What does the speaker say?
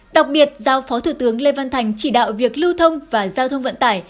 đặc biệt giao phó thủ tướng lê văn thành chỉ đạo việc lưu thông và giao thông vận tải